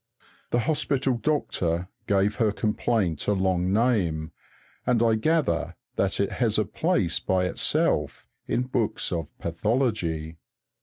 The hospital doctor gave her complaint a long name, and I gather that it has a place by itself in books of pathology.